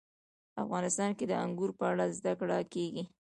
افغانستان کې د انګور په اړه زده کړه کېږي.